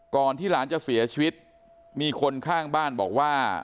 ที่หลานจะเสียชีวิตมีคนข้างบ้านบอกว่า